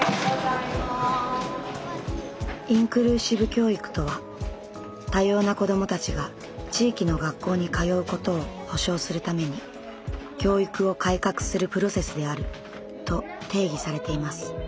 インクルーシブ教育とは多様な子どもたちが地域の学校に通うことを保障するために教育を改革するプロセスであると定義されています。